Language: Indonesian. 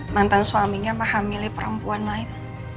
melihat mantan suaminya sama hamili perempuan lain